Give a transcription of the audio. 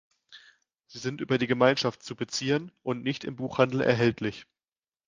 Sie sind über die Gemeinschaft zu beziehen und nicht im Buchhandel erhältlich.